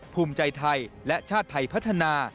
ภูมิใจไทยและชาติไทยพัฒนา